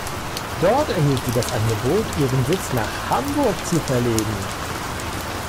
Dort erhielt sie das Angebot, ihren Sitz nach Hamburg zu verlegen.